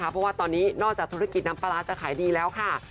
เพราะว่าตอนนี้นอกจากธุรกิจน้ำปลาร้าจะขายดีแล้วค่ะ